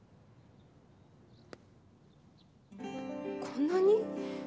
こんなに？